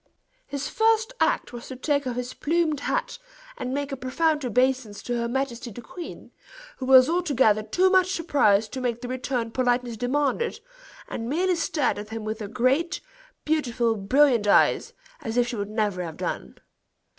His first act was to take off his plumed hat, and make a profound obeisance to her majesty the queen, who was altogether too much surprised to make the return politeness demanded, and merely stared at him with her great, beautiful, brilliant eyes, as if she would never have done.